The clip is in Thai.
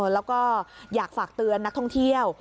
แล้วก็อยากฝากเตือนนักท่องเที่ยว